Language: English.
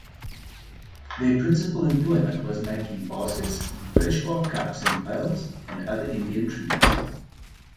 Their principal employment was making baskets, birch-bark cups and pails, and other Indian trinkets.